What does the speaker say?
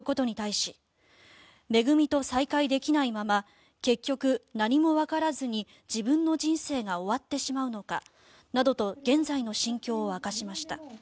早紀江さんは拉致されてから４５年が経過することに対しめぐみと再会できないまま結局何もわからずに自分の人生が終わってしまうのかなどと現在の心境を明かしました。